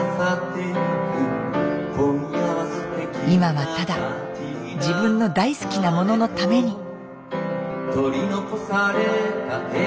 今はただ自分の大好きなもののために。